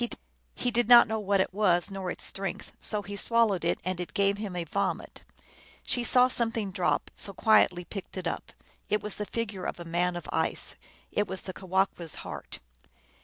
He did not know what it was, nor its strength, so he swallowed it, and it gave him a vomit. She saw some thing drop, so quietly picked it up : it was the figure of a man of ice ; it was the Kewahqu s heart.